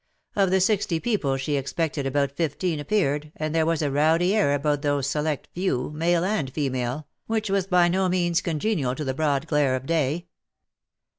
Of the sixty people she expected about fifteen appeared, and there was a rowdy air about those select few, male and female, which was by no means congenial to the broad glare of day.